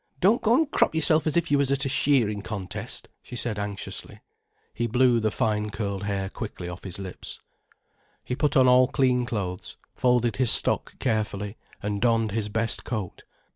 "Don't go an' crop yourself as if you was at a shearin' contest," she said, anxiously. He blew the fine curled hair quickly off his lips. He put on all clean clothes, folded his stock carefully, and donned his best coat.